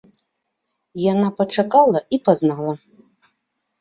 Яна пачакала і пазнала.